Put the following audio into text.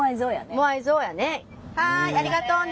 はいありがとうね。